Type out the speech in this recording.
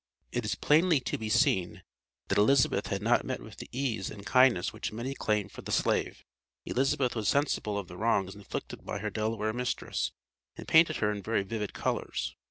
It is plainly to be seen, that Elizabeth had not met with the "ease" and kindness which many claimed for the slave. Elizabeth was sensible of the wrongs inflicted by her Delaware mistress, and painted her in very vivid colors.